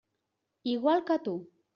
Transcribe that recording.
Igual que tu.